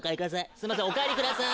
すいませんお帰りください